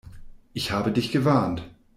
Ich habe dich gewarnt.